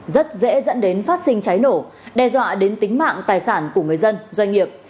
rất dễ dẫn đến phát sinh cháy nổ đe dọa đến tính mạng tài sản của người dân doanh nghiệp